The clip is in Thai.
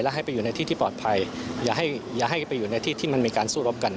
ให้ไปอยู่ในที่ที่ปลอดภัยอย่าให้อย่าให้ไปอยู่ในที่ที่มันมีการสู้รบกัน